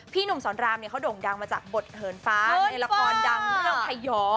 หนุ่มสอนรามเนี่ยเขาโด่งดังมาจากบทเหินฟ้าในละครดังเรื่องพยอ